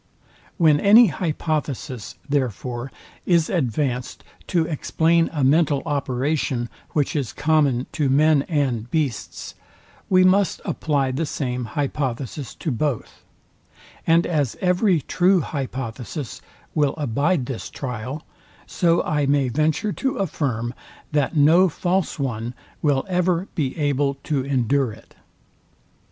When any hypothesis, therefore, is advancd to explain a mental operation, which is common to men and beasts, we must apply the same hypothesis to both; and as every true hypothesis will abide this trial, so I may venture to affirm, that no false one will ever be able to endure it.